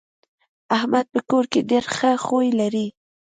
احمد په کور کې ډېر ښه خوی لري.